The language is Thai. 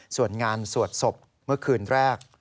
ส่วนงานสวดศพเมื่อคืนแรก